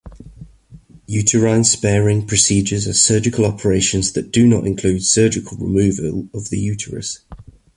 Uterine-sparing procedures are surgical operations that do not include surgical removal of the uterus.